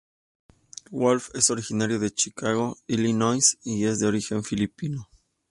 Wolf es originaria de Chicago, Illinois, y es de origen filipino.